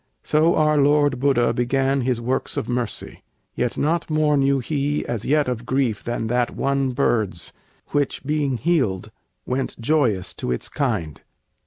So our Lord Buddha Began his works of mercy. Yet not more Knew he as yet of grief than that one bird's, Which, being healed, went joyous to its kind.